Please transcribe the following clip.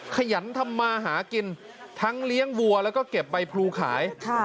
ขยันทำมาหากินทั้งเลี้ยงวัวแล้วก็เก็บใบพลูขาย